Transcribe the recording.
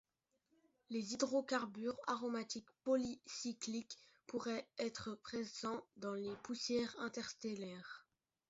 Les hydrocarbures aromatiques polycycliques pourraient être présents dans les poussières interstellaires.